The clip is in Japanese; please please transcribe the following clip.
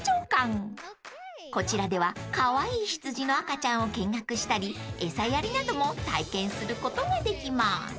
［こちらではカワイイ羊の赤ちゃんを見学したり餌やりなども体験することができます］